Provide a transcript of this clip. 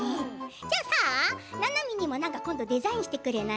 じゃあさ、ななみにも今度デザインしてくれない？